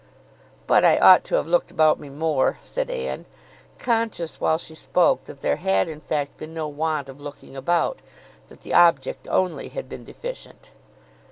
"But I ought to have looked about me more," said Anne, conscious while she spoke that there had in fact been no want of looking about, that the object only had been deficient.